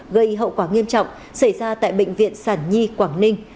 gây hậu quả nghiêm trọng xảy ra tại bệnh viện sản nhi quảng ninh